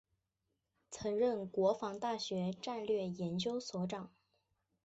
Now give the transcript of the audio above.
曾任国防大学战略研究所长。